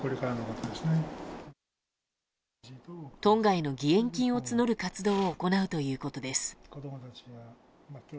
トンガへの義援金を募る活動を行うということです。